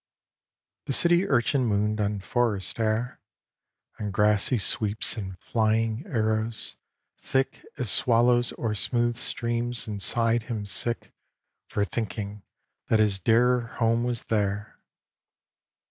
XXI The city urchin mooned on forest air, On grassy sweeps and flying arrows, thick As swallows o'er smooth streams, and sighed him sick For thinking that his dearer home was there.